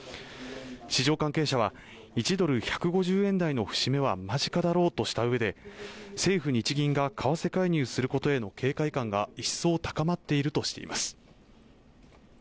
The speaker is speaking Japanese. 市場関係者は１ドル＝１５０円台の節目は間近だろうとした上で政府日銀が為替介入することへの警戒感が一層高まっているとしています